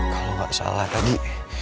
kalau gak salah tadi